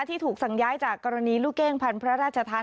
ที่ถูกสั่งย้ายจากกรณีลูกเก้งพันธ์พระราชทาน